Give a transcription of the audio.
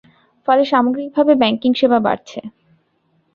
ফলে সামগ্রিকভাবে ব্যাংকিং সেবা বাড়ছে।